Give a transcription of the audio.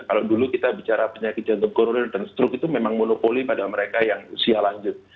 kalau dulu kita bicara penyakit jantung koroner dan stroke itu memang monopoli pada mereka yang usia lanjut